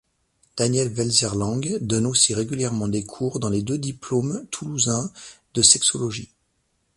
Daniel Welzer-Lang donne aussi régulièrement des cours dans les deux diplômes toulousains de sexologie.